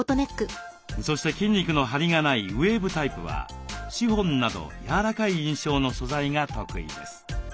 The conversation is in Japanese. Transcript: そして筋肉のハリがないウエーブタイプはシフォンなど柔らかい印象の素材が得意です。